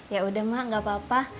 ya udah mak gak apa apa